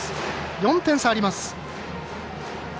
４点差あります。